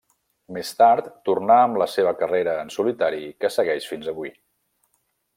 Més tard tornà amb la seva carrera en solitari que segueix fins avui.